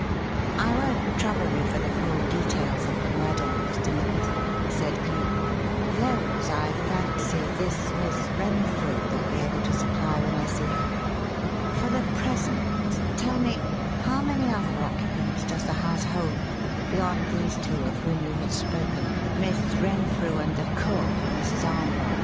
"I won't trouble you for the full details of the murder, Mr. Nippers," said Cleek. "Those, I fancy, this Miss Renfrew will be able to supply when I see her. For the present, tell me: how many other occupants does the house hold beyond these two of whom you have spoken Miss Renfrew and the cook, Mrs. Armroyd?"